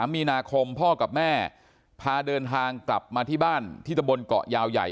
มีนาคมพ่อกับแม่พาเดินทางกลับมาที่บ้านที่ตะบนเกาะยาวใหญ่